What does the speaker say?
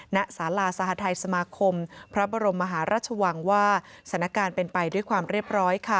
ณสาราสหทัยสมาคมพระบรมมหาราชวังว่าสถานการณ์เป็นไปด้วยความเรียบร้อยค่ะ